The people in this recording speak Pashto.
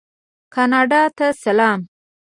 کاناډا ته سلام.